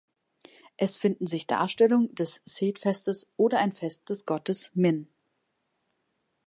Es finden sich Darstellungen des Sed-Festes oder ein Fest des Gottes Min.